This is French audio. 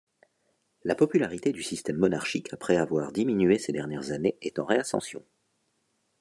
La popularité du système monarchique après avoir diminué ces dernières années, est en réascension.